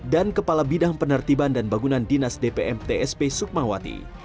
dan kepala bidang penertiban dan bangunan dinas dpm tsp sukmawati